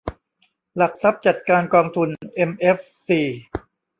หลักทรัพย์จัดการกองทุน เอ็มเอฟซี